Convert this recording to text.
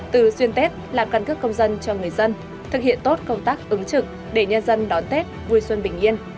từ xuyên tết làm căn cước công dân cho người dân thực hiện tốt công tác ứng trực để nhân dân đón tết vui xuân bình yên